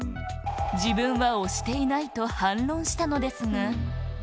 自分は押していないと反論したのですが。